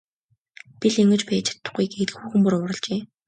Би л ингэж байж чадахгүй гээд хүүхэн бүр уурлажээ.